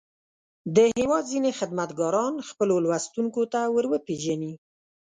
د هېواد ځينې خدمتګاران خپلو لوستونکو ته ور وپېژني.